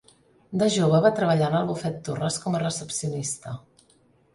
De jove va treballar en el Bufet Torres com a recepcionista.